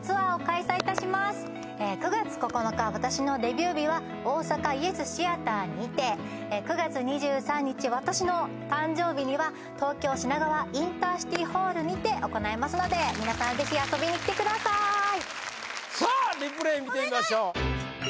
私のデビュー日は大阪ＹＥＳＴＨＥＡＴＥＲにて９月２３日私の誕生日には東京品川インターシティホールにて行いますので皆さんぜひ遊びに来てくださいさあリプレイ見てみましょうお願い！